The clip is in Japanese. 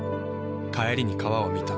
帰りに川を見た。